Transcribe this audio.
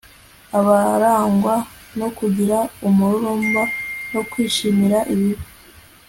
abarangwa no kugira umururumba no kwishimira ibibi